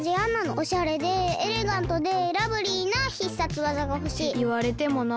おしゃれでエレガントでラブリーな必殺技がほしい。っていわれてもな。